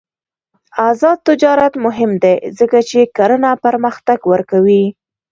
آزاد تجارت مهم دی ځکه چې کرنه پرمختګ ورکوي.